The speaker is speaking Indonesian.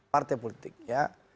partai politik ya